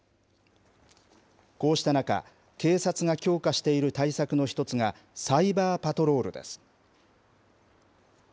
こうした中、警察が強化している対策の一つが、サイバーパトロールです。